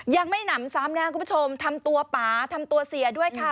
ยังไม่หนำซ้ำนะครับคุณผู้ชมทำตัวป่าทำตัวเสียด้วยค่ะ